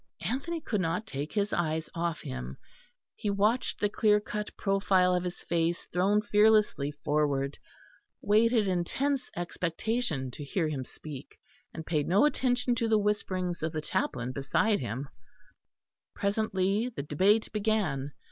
Anthony could not take his eyes off him; he watched the clear cut profile of his face thrown fearlessly forward, waited in tense expectation to hear him speak, and paid no attention to the whisperings of the chaplain beside him. Presently the debate began.